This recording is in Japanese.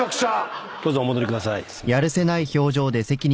どうぞお戻りください。